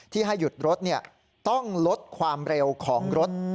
ที่ให้หยุดรถเนี่ยต้องลดความเร็วของรถ